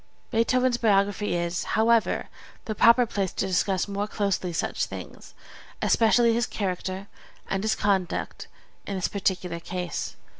Beethoven's biography is, however, the proper place to discuss more closely such things, especially his character and his conduct in this particular case.